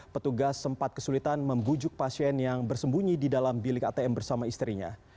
petugas sempat kesulitan membujuk pasien yang bersembunyi di dalam bilik atm bersama istrinya